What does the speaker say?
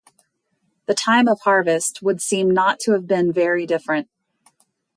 The time of harvest would seem not to have been very different.